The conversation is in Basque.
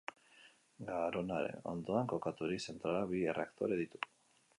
Garonaren ondoan kokaturik, zentralak bi erreaktore ditu.